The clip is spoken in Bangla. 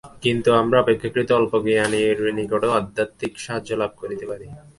কিন্তু আমরা অপেক্ষাকৃত অল্পজ্ঞানীর নিকটও আধ্যাত্মিক সাহায্য লাভ করিতে পারি।